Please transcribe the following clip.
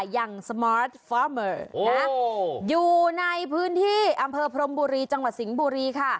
อยู่ในพื้นที่อัมเภอพรมบุรีจังหวัดสิงค์บุรีค่ะ